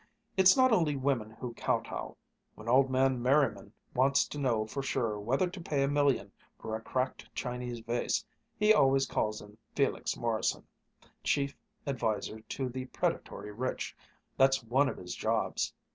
It's not only women who kowtow; when old man Merriman wants to know for sure whether to pay a million for a cracked Chinese vase, he always calls in Felix Morrison. Chief adviser to the predatory rich, that's one of his jobs!